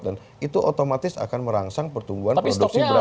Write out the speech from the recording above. dan itu otomatis akan merangsang pertumbuhan produksi beras